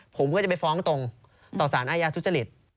ผมก็จะไปฟ้องตรงต่อสารอาญาทุจริต